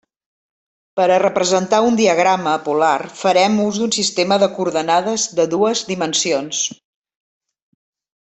Per a representar un diagrama polar farem ús d'un sistema de coordenades de dues dimensions.